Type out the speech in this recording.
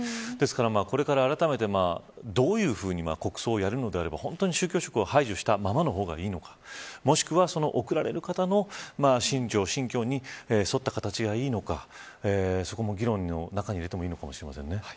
これから、あらためてどういうふうに国葬をやるのであれば本当に宗教色を排除したままの方がいいのかもしくは送られる方の心情、心境に沿った形がいいのかそこも議論の中に入れてもいいのかもしれませんね。